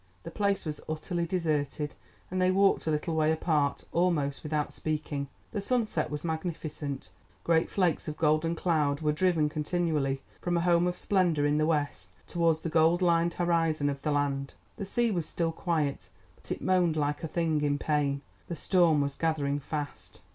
The place was utterly deserted, and they walked a little way apart, almost without speaking. The sunset was magnificent; great flakes of golden cloud were driven continually from a home of splendour in the west towards the cold lined horizon of the land. The sea was still quiet, but it moaned like a thing in pain. The storm was gathering fast.